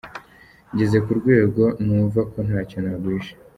Ngeze ku rwego numva ntacyo naguhisha.